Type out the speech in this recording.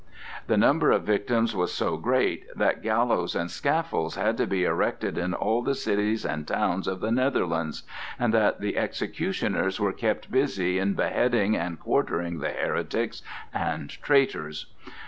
The number of victims was so great that gallows and scaffolds had to be erected in all the cities and towns of the Netherlands, and that the executioners were kept busy in beheading and quartering the heretics and "traitors."